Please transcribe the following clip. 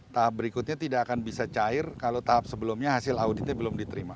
tahap berikutnya tidak akan bisa cair kalau tahap sebelumnya hasil auditnya belum diterima